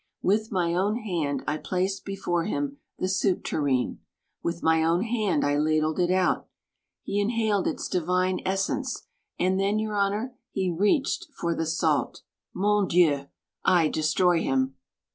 With my own hand I placed before him the soup tureen. With my own hand I ladled it out. He inhaled its divine essence; and then, Your Honor, he reached for the salt. Mon Dieu! I destroy him!"